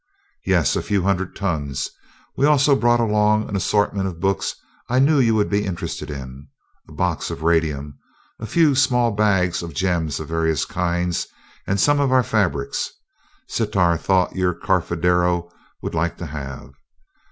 "Yes, a few hundred tons. We also brought along an assortment of books I knew you would be interested in, a box of radium, a few small bags of gems of various kinds, and some of our fabrics, Sitar thought your Karfediro would like to have.